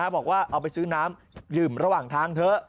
บอกว่าเอาไปซื้อน้ำดื่มระหว่างทางเถอะ